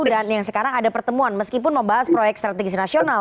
dan yang sekarang ada pertemuan meskipun membahas proyek strategis nasional